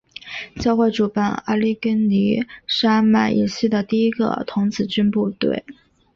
教会主办阿利根尼山脉以西的第一个童子军部队。